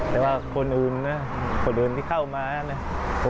แต่ว่าคนอื่นนะคนอื่นที่เข้ามานะ